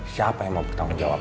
siapa yang mau bertanggung jawab